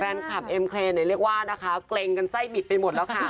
แฟนคลับเอ็มเครย์ไหนเรียกว่านะคะเกร็งกันไส้บิดไปหมดแล้วค่ะ